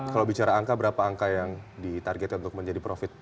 kalau bicara angka berapa angka yang ditargetnya untuk menjadi profit pt pesona